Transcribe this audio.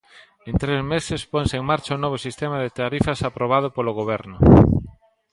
En tres meses ponse en marcha o novo sistema de tarifas aprobado polo Goberno.